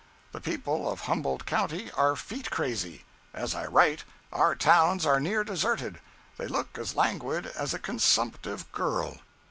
The people of Humboldt county are feet crazy. As I write, our towns are near deserted. They look as languid as a consumptive girl.